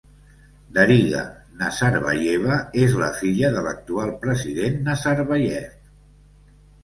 Dariga Nazarbayeva és la filla de l'actual president Nazarbayev.